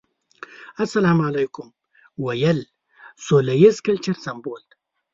السلام عليکم ويل سوله ييز کلچر سمبول دی.